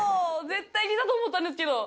絶対いけたと思ったんですけど。